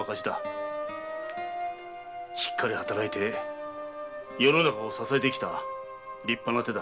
しっかり働いて世の中を支えてきた立派な手だ。